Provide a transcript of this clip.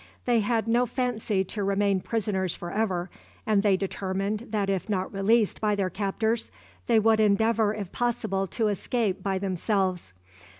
They had no fancy to remain prisoners for ever, and they determined that if not released by their captors, they would endeavour if possible to escape by themselves.